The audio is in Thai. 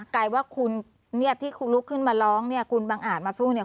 กลายว่าคุณเงียบที่คุณลุกขึ้นมาร้องเนี่ยคุณบังอาจมาสู้เนี่ย